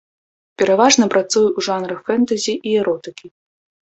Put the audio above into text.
Пераважна працуе ў жанрах фэнтэзі і эротыкі.